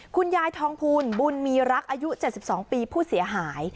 คุณยายทองภูลบุญมีรักอายุ๗๒ปีผู้เสียหาย